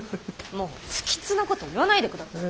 もう不吉なこと言わないで下さい。